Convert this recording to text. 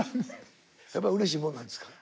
やっぱうれしいもんなんですか？